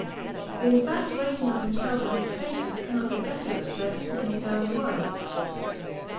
The infatuation of himself and his patients cannot be better expressed than in his own words.